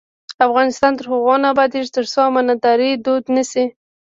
افغانستان تر هغو نه ابادیږي، ترڅو امانتداري دود نشي.